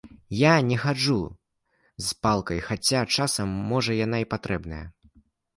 Я не хаджу з палкай, хаця часам можа яна і патрэбная.